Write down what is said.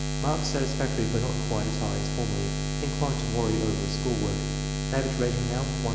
Marks satisfactory but not quite as high as formerly. Inclined to worry over her school work. Average rat ing now, 1.95.